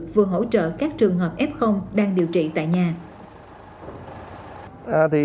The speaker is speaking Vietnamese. vừa hỗ trợ các trường hợp f đang điều trị tại nhà